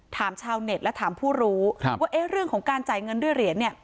ชาวเน็ตและถามผู้รู้ว่าเอ๊ะเรื่องของการจ่ายเงินด้วยเหรียญเนี่ย